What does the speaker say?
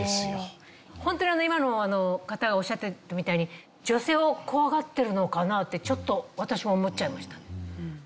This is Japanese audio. ホントに今の方がおっしゃってるみたいに女性を怖がってるのかなってちょっと私は思っちゃいましたね。